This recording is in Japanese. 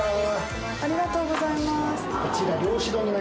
ありがとうございます。